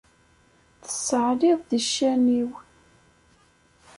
Tessaɛliḍ di ccan-iw.